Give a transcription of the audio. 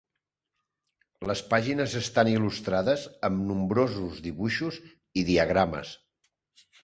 Les pàgines estan il·lustrades amb nombrosos dibuixos i diagrames.